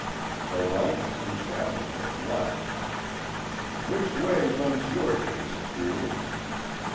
The lights and shadows of life. Which way runs your taste, fool?"